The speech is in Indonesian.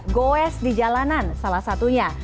goes di jalanan salah satunya